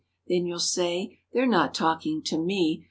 Then you'll say: "They're not talking to me!"